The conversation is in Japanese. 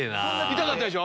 痛かったでしょ？